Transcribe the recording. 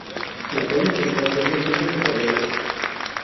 La calle central tenía tiendas y talleres.